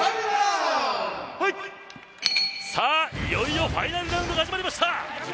いよいよファイナルラウンドが始まりました！